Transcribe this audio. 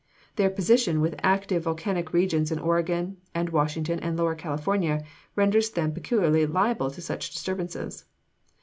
Their position with active volcanic regions in Oregon and Washington and Lower California, renders them peculiarly liable to such disturbances.